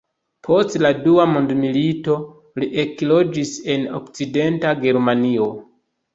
Post la dua mondmilito li ekloĝis en Okcidenta Germanio.